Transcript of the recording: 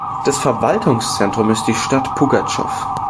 Das Verwaltungszentrum ist die Stadt Pugatschow.